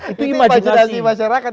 itu imajinasi masyarakat